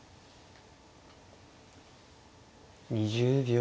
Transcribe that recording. ２０秒。